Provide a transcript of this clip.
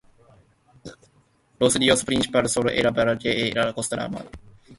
Los ríos principales son el Volga y el Kostromá.